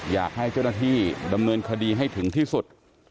อยากให้เจ้าหน้าที่ดำเนินคดีให้ถึงที่สุด